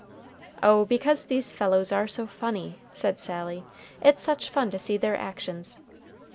"Oh, because these fellows are so funny," said Sally; "it's such fun to see their actions.